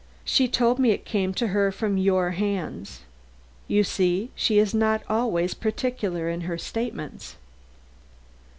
She told me it came to her from your hands. You see she is not always particular in her statements."